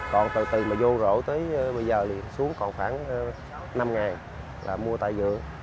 còn từ từ mà vô rổ tới bây giờ thì xuống còn khoảng năm ngàn là mua tại vượng